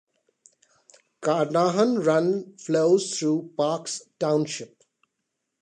Carnahan Run flows through Parks Township.